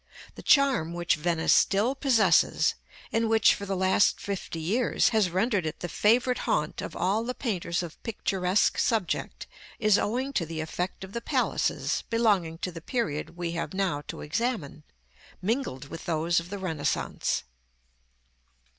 The charm which Venice still possesses, and which for the last fifty years has rendered it the favorite haunt of all the painters of picturesque subject, is owing to the effect of the palaces belonging to the period we have now to examine, mingled with those of the Renaissance.